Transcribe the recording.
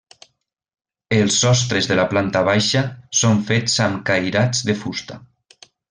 Els sostres de la planta baixa són fets amb cairats de fusta.